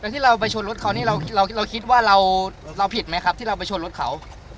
ที่เราไปชนรถเขานี่เราคิดว่าเราผิดไหมครับที่เราไปชนรถเขา